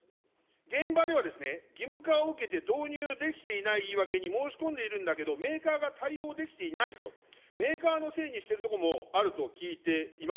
現場では、義務化を受けて導入できていないいいわけに申し込んでいるんだけど、メーカーが対応できていないと、メーカーのせいにしているところもあると聞いています。